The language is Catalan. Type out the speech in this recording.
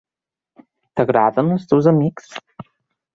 T'agraden els teus amics?